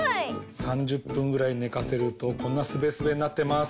３０ぷんぐらいねかせるとこんなすべすべになってます。